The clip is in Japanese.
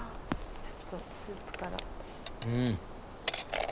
ちょっとスープから。